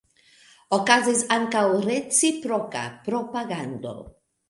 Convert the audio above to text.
Okazis ankaŭ reciproka propagando.